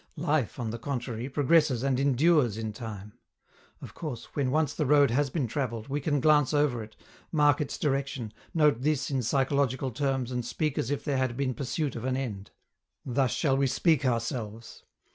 Life, on the contrary, progresses and endures in time. Of course, when once the road has been traveled, we can glance over it, mark its direction, note this in psychological terms and speak as if there had been pursuit of an end. Thus shall we speak ourselves.